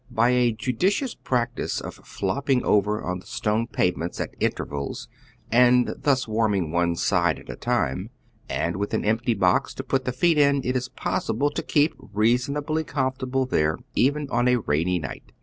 By a judicious prac tice of flopping over on the stone pavement at intervals and thus warming one side at a time, and with an empty box to put the feet in, it is possible to keep reasonably comfortable there even on a rainy night.